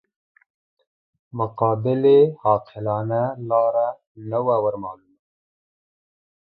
مقابلې عاقلانه لاره نه وه ورمعلومه.